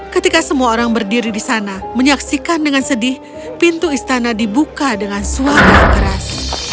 ketika semua orang berdiri di sana menyaksikan dengan sedih pintu istana dibuka dengan suara keras